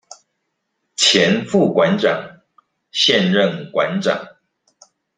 前副館長、現任館長